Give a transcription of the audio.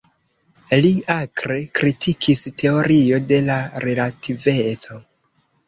Li akre kritikis teorio de la relativeco.